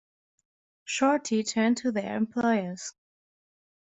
Shorty turned to their employers.